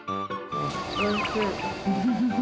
おいしい。